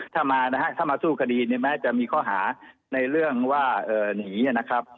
ถ้ามานะฮะถ้ามาสู้คดีเนี่ยแม้จะมีข้อหาในเรื่องว่าหนีนะครับ